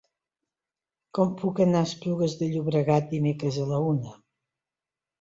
Com puc anar a Esplugues de Llobregat dimecres a la una?